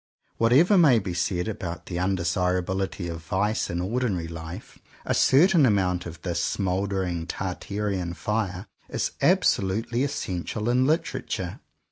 Whatever may be said about the undesirabiHty of vice in ordinary Hfe, a certain amount of this smouldering Tartarean fire is absolutely essential in Literature.